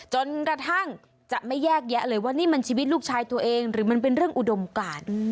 จนกระทั่งจะไม่แยกแยะเลยว่านี่มันชีวิตลูกชายตัวเองหรือมันเป็นเรื่องอุดมการ